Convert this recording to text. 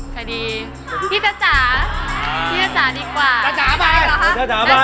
ใครดีพี่ทะจาพี่ทะจาดีกว่า